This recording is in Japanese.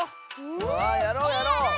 わあやろうやろう！